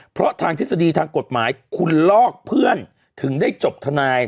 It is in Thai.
เพราะทางทฤษฎีทางกฎหมายคุณลอกเพื่อนถึงได้จบทนาย